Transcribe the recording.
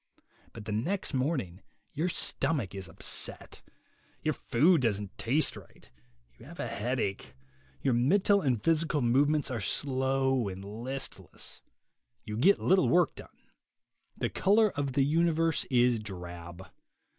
But the next morning your stomach is upset; your food doesn't taste right: you have a headache; your mental and physical movements are slow and listless; you get little work done; THE WAY TO WILL POWER 39 the color of the universe is drab.